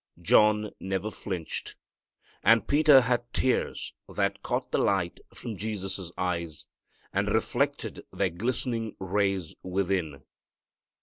John never flinched. And Peter had tears that caught the light from Jesus' eyes, and reflected their glistening rays within.